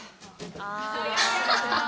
アハハハ。